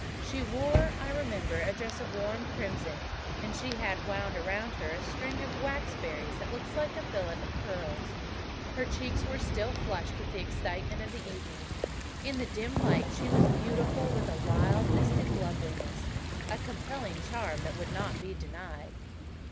She wore, I remember, a dress of warm crimson, and she had wound around her head a string of waxberries, that looked like a fillet of pearls. Her cheeks were still flushed with the excitement of the evening. In the dim light she was beautiful, with a wild, mystic loveliness, a compelling charm that would not be denied.